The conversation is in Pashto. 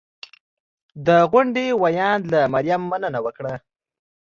د غونډې ویاند له مریم مننه وکړه